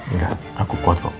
enggak aku kuat kok